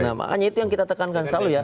nah makanya itu yang kita tekankan selalu ya